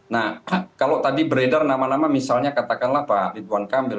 nah kalau tadi beredar nama nama misalnya katakanlah pak ridwan kamil